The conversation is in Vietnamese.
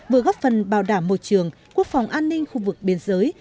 vừa góp phần bảo đảm môi trường quốc phòng an ninh khu vực biên giới